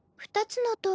２つの塔。